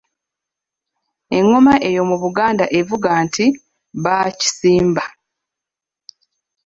Engoma eyo mu Buganda evuga nti bbaakisimba .